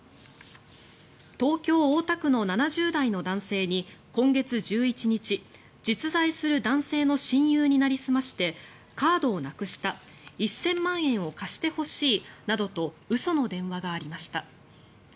東京・大田区の７０代の男性に今月１１日実在する男性の親友になりすましてカードをなくした１０００万円を貸してほしいなどと嘘の電話がありました。